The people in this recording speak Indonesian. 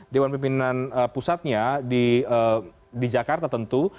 dewan pimpinan pusatnya di jakarta tentu